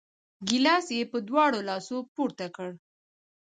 ګیلاس یې په دواړو لاسو پورته کړ!